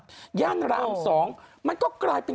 ย่านราม๒มันก็กลายเป็น